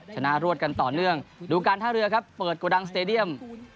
รวดกันต่อเนื่องดูการท่าเรือครับเปิดโกดังสเตดียม